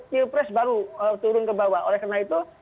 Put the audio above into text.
pilpres baru turun ke bawah oleh karena itu